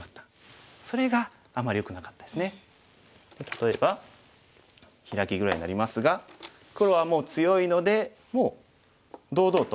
例えばヒラキぐらいになりますが黒はもう強いのでもう堂々と。